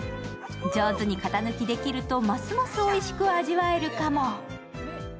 上手に型抜きできるとますますおいしく味わえるかも。